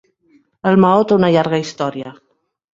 El maó té una llarga història.